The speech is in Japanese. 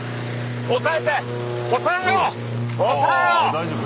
大丈夫？